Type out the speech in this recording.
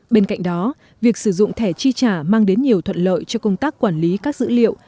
bên cạnh đó việc sử dụng thẻ chi trả mang đến nhiều thuận lợi cho công tác quản lý các dữ liệu